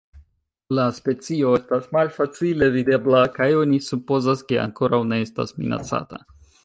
La specio estas malfacile videbla kaj oni supozas, ke ankoraŭ ne estas minacata.